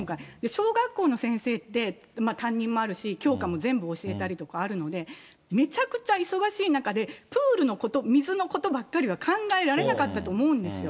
小学校の先生って、担任もあるし、教科も全部教えたりとかあるのか、めちゃくちゃ忙しい中で、プールのこと、水のことばっかりは考えられなかったと思うんですよ。